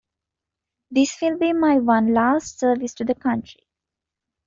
This will be my one last service to the country.